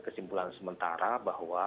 kesimpulan sementara bahwa